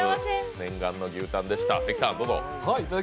念願の牛タンでした。